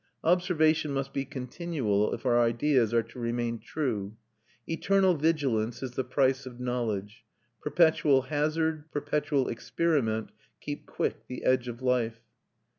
Observation must be continual if our ideas are to remain true. Eternal vigilance is the price of knowledge; perpetual hazard, perpetual experiment keep quick the edge of life.